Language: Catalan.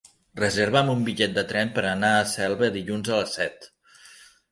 Reserva'm un bitllet de tren per anar a Selva dilluns a les set.